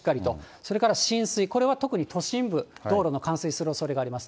それから浸水、これは特に都心部、道路の冠水するおそれがあります。